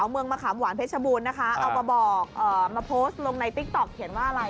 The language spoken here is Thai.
เมืองมะขามหวานเพชรบูรณ์นะคะเอามาบอกมาโพสต์ลงในติ๊กต๊อกเขียนว่าอะไร